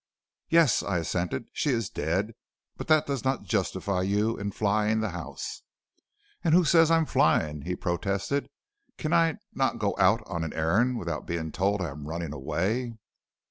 "'Yes,' I assented, 'she is dead; but that does not justify you in flying the house.' "'And who says I am flying?' he protested. 'Cannot I go out on an errand without being told I am running away?'